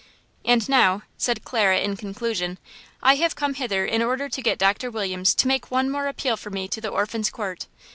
"And now," said Clara, in conclusion, "I have come hither in order to get Doctor Williams to make one more appeal for me to the Orphans' Court.